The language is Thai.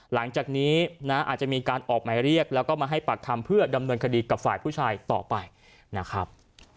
หลังจากนี้นะอาจจะมีการออกหมายเรียกแล้วก็มาให้ปากคำเพื่อดำเนินคดีกับฝ่ายผู้ชายต่อไปนะครับ